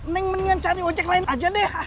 mendingan cari ojek lain aja deh